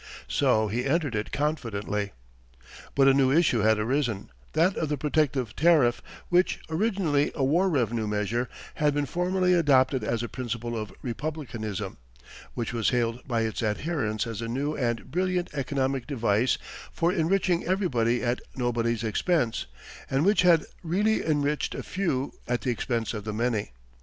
So he entered it confidently. But a new issue had arisen that of the protective tariff, which, originally a war revenue measure, had been formally adopted as a principle of Republicanism, which was hailed by its adherents as a new and brilliant economic device for enriching everybody at nobody's expense, and which had really enriched a few at the expense of the many.